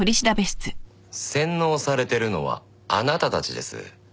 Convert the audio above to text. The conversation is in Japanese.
洗脳されてるのはあなたたちです。